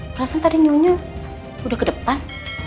perasaan tadi nyonya udah ke depan